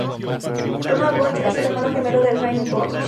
Ronald Bloch es el hermano gemelo de Raymond Bloch.